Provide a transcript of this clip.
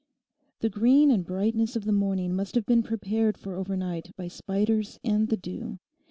The green and brightness of the morning must have been prepared for overnight by spiders and the dew.